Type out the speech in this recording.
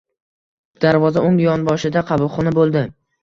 Darvoza o‘ng yonboshida qabulxona bo‘ldi.